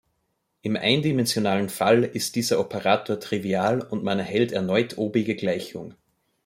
Im eindimensionalen Fall ist dieser Operator trivial und man erhält erneut obige Gleichung.